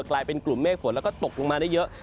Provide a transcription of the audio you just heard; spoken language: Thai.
กลายเป็นกลุ่มเมฆฝนแล้วก็ตกลงมาได้เยอะ